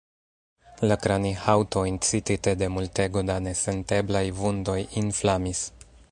La kranihaŭto, incitite de multego da nesenteblaj vundoj, inflamis.